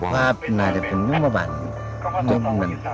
ว่าน่าจะเป็นยุโมบันนั่นนั่น